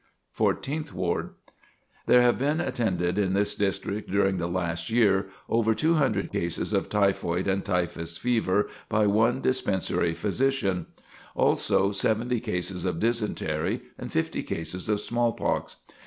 Fourteenth Ward: There have been attended in this district, during the last year, over 200 cases of typhoid and typhus fever by one dispensary physician; also, 70 cases of dysentery, and 50 cases of smallpox.